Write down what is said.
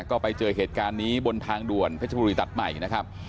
ก็ไปเจอเหตุการณ์นี้บนทางด่วนเพชรบุรีตัดใหม่นะครับ